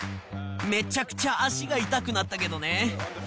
めちゃくちゃ足が痛くなったけどね。